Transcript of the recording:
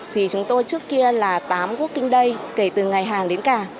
thì chúng tôi trước kia là tám working day kể từ ngày hàng đến cả